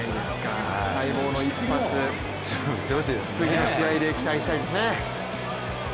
待望の一発、次の試合で期待したいですね。